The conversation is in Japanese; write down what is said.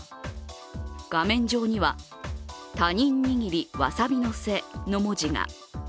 画面上には「他人握りわさび乗せ」の文字が。